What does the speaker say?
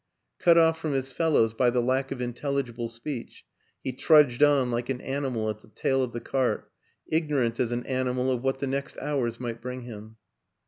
Cut off from his fel lows by the lack of intelligible speech, he trudged on like an animal at the tail of the cart, ignorant as an animal of what the next hours might bring him.